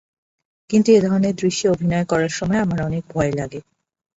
কিন্তু এ ধরনের দৃশ্যে অভিনয় করার সময় আমার অনেক ভয় লাগে।